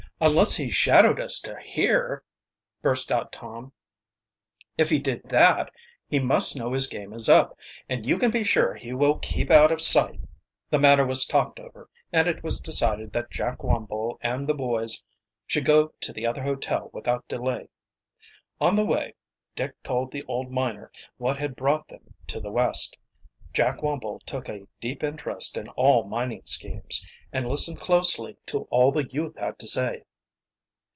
"Unless he shadowed us to here," burst out Tom. "If he did that he must know his game is up, and you can be sure he will keep out of sight." The matter was talked over, and it was decided that Jack Wumble and the boys should go to the other hotel without delay. On the way Dick told the old miner what had brought them to the West. Jack Wumble took a deep interest in all mining schemes, and listened closely to all the youth had to say.